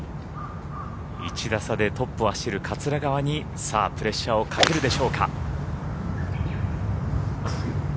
１打差でトップを走る桂川にさあプレッシャーをかけるでしょうか。